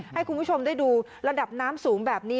ให้คุณผู้ชมได้ดูระดับน้ำสูงแบบนี้